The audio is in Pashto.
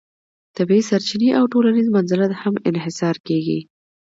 طبیعي سرچینې او ټولنیز منزلت هم انحصار کیږي.